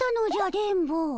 電ボ。